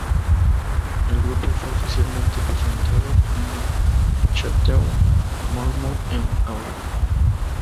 El grupo fue oficialmente presentado en el Chateau Marmont en abril.